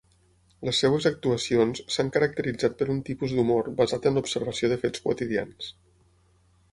Les seves actuacions s'han caracteritzat per un tipus d'humor basat en l'observació de fets quotidians.